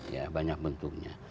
ya banyak bentuknya